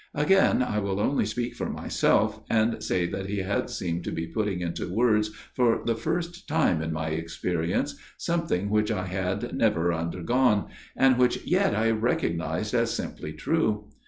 Again, I will only speak for myself, and say that he had seemed to be putting into words for the first time in my experience something which I had never undergone and which yet I recognized as simply true.